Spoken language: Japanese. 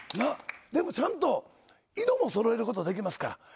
でもちゃんと色もそろえることできますから。